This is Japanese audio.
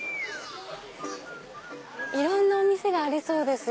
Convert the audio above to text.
いろんなお店がありそうですよ。